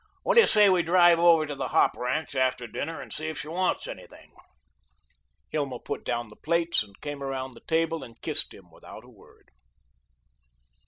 What do you say we drive over to the hop ranch after dinner and see if she wants anything?" Hilma put down the plates and came around the table and kissed him without a word.